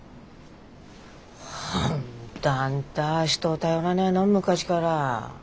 本当あんたは人を頼らねえの昔から。